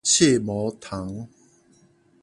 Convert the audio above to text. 刺毛蟲